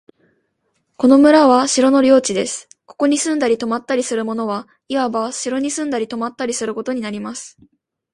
この村は城の領地です。ここに住んだり泊ったりする者は、いわば城に住んだり泊ったりすることになります。